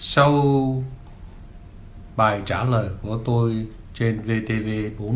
sau bài trả lời của tôi trên vtv bốn